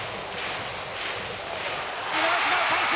見逃しの三振！